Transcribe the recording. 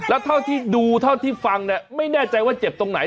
แล้วเท่าที่ดูเท่าที่ฟังเนี่ยไม่แน่ใจว่าเจ็บตรงไหน